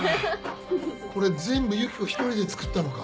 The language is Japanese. これ全部ユキコ１人で作ったのか？